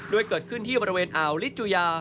เกิดขึ้นที่บริเวณอ่าวลิจุยา